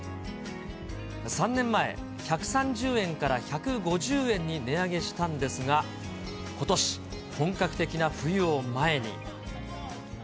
３年前、１３０円から１５０円に値上げしたんですが、ことし、本格的な冬を前に。